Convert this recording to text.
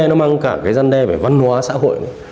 nó mang cả cái giăn đe về văn hóa xã hội